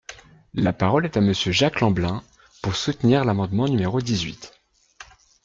La parole est à Monsieur Jacques Lamblin, pour soutenir l’amendement numéro dix-huit.